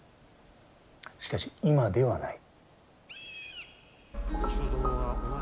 しかし今ではない。